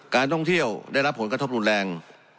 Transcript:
การท่องเที่ยวได้รับผลกระทบรุนแรง